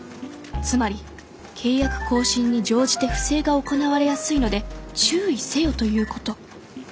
つまり契約更新に乗じて不正が行われやすいので注意せよということ。